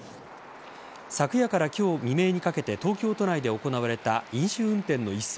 昨夜から今日未明にかけて東京都内で行われた飲酒運転の一斉